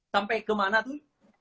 sampai kemana tuh